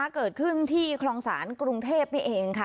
เกิดขึ้นที่คลองศาลกรุงเทพนี่เองค่ะ